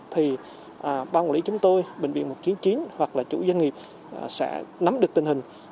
thì ban quản lý chúng tôi bệnh viện một trăm chín mươi chín hoặc là chủ doanh nghiệp sẽ nắm được tình hình